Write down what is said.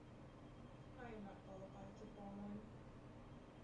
I am not qualified to form one.